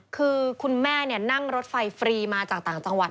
คือคุณแม่นั่งรถไฟฟรีมาจากต่างจังหวัด